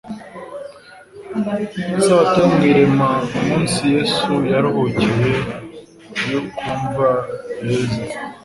isabato yo mu irema, umunsi Yesu yaruhukiye mu mva ya Yosefu,